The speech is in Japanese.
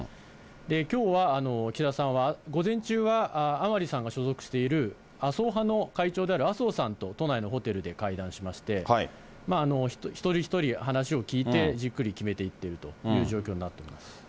きょうは岸田さんは午前中は甘利さんが所属している、麻生派の会長である麻生さんと都内のホテルで会談しまして、一人一人、話を聞いて、じっくり決めていっているという状況になっております。